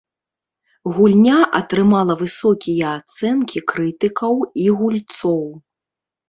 Гульня атрымала высокія ацэнкі крытыкаў і гульцоў.